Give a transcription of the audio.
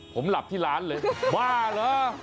ผมหลับที่ร้านเลยบ้าเหรอ